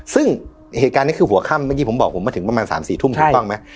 ซึ่งเหตุการณ์นี้คือหัวค่ำเมื่อกี้ผมบอกผมมาถึงประมาณสามสี่ทุ่มใช่ไหมใช่